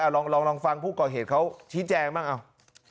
อ่ะลองลองลองฟังผู้ก่อเหตุเขาชี้แจงบ้างเอา